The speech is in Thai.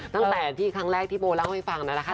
ตั้งแต่ที่ครั้งแรกที่โบเล่าให้ฟังนั่นแหละค่ะ